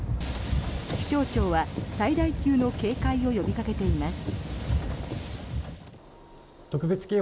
気象庁は最大級の警戒を呼びかけています。